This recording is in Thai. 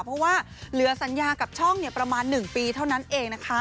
เพราะว่าเหลือสัญญากับช่องประมาณ๑ปีเท่านั้นเองนะคะ